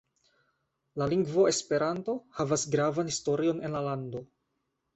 La lingvo Esperanto havas gravan historion en la lando.